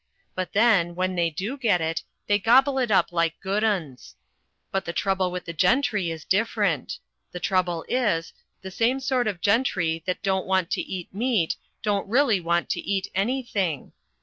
But then, when they do get it, they gobble it up like good 'uns. But the trouble with the gentry is different. The trouble is, the same sort of gentry that don't want to eat meat don't really want to eat anything.